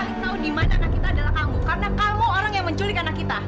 dia paling tau dimana anak kita adalah kamu karena kamu orang yang menculik anak kita